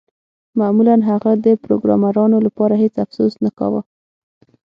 معمولاً هغه د پروګرامرانو لپاره هیڅ افسوس نه کاوه